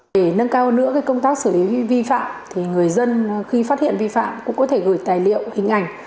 để nâng cao nữa công tác xử lý vi phạm thì người dân khi phát hiện vi phạm cũng có thể gửi tài liệu hình ảnh